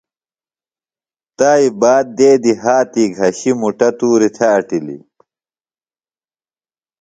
تائی باد دیدی ہاتھی گھشی مُٹہ توری تھے اٹِلیۡ